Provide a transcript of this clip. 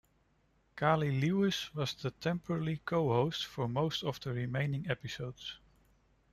Cali Lewis was the temporary co-host for most of the remaining episodes.